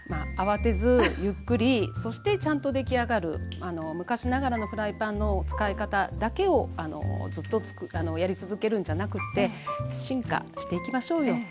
あわてずゆっくりそしてちゃんと出来上がるあの昔ながらのフライパンの使い方だけをあのずっとやり続けるんじゃなくて進化していきましょうよ